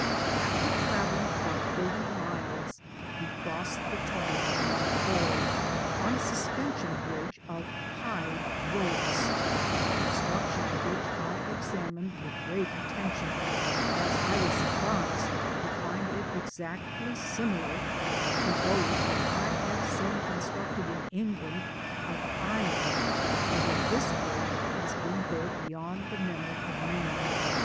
After travelling about thirty miles, we crossed the torrent of Maypo, on a suspension bridge of hide ropes, the construction of which I examined with great attention, as I was surprised to find it Digitized byGobgk 216 JpUBNEY TO THE SILVEB MINE exactly similar to those which I have seen formed in England of iron, although this bridge has been there beyond the memory of man.